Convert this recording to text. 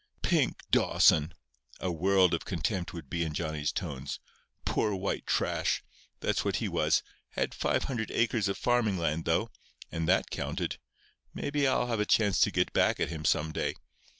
"Pink Dawson!"—a world of contempt would be in Johnny's tones—"Poor white trash! That's what he was. Had five hundred acres of farming land, though; and that counted. Maybe I'll have a chance to get back at him some day.